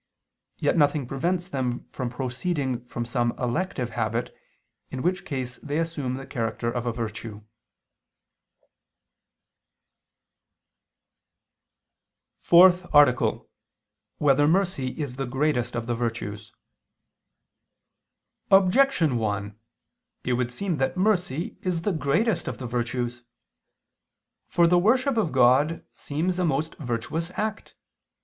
Yet nothing prevents them from proceeding from some elective habit, in which case they assume the character of a virtue. _______________________ FOURTH ARTICLE [II II, Q. 30, Art. 4] Whether Mercy Is the Greatest of the Virtues? Objection 1: It would seem that mercy is the greatest of the virtues. For the worship of God seems a most virtuous act.